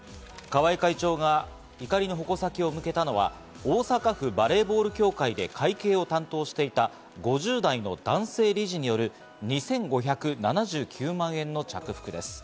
川合会長が怒りの矛先を向けたのは大阪府バレーボール協会で会計を担当していた５０代の男性理事による２５７９万円の着服です。